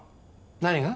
何が？